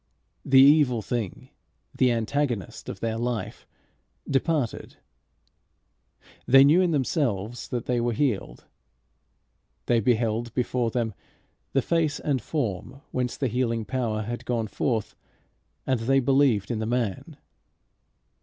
The evil thing, the antagonist of their life, departed; they knew in themselves that they were healed; they beheld before them the face and form whence the healing power had gone forth, and they believed in the man.